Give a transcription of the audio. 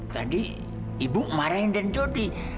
tadi ibu marahin den jody